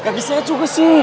kaki saya juga sih